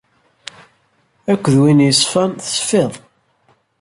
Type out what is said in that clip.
Akked win yeṣfan, teṣfiḍ.